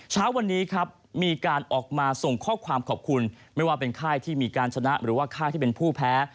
เช้าวันนี้ครับมีการออกมาส่งข้อความขอบคุณไม่ว่าเป็นค่ายที่มีการชนะหรือว่าค่ายที่เป็นผู้แพ้